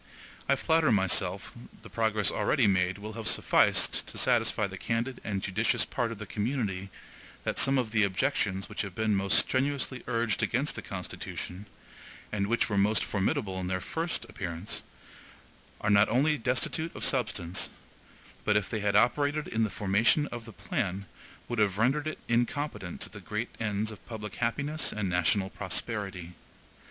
I flatter myself the progress already made will have sufficed to satisfy the candid and judicious part of the community that some of the objections which have been most strenuously urged against the Constitution, and which were most formidable in their first appearance, are not only destitute of substance, but if they had operated in the formation of the plan, would have rendered it incompetent to the great ends of public happiness and national prosperity.